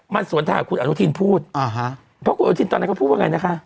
มันสวนทางคุณอธินธ์พูดอ่าฮะพวกเธอต้นนักภูมิกันนะคะ